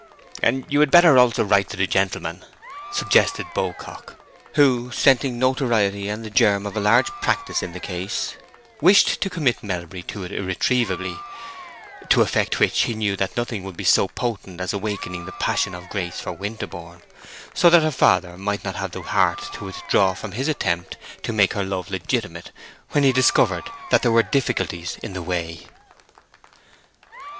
"And you'd better write also to the gentleman," suggested Beaucock, who, scenting notoriety and the germ of a large practice in the case, wished to commit Melbury to it irretrievably; to effect which he knew that nothing would be so potent as awakening the passion of Grace for Winterborne, so that her father might not have the heart to withdraw from his attempt to make her love legitimate when he discovered that there were difficulties in the way.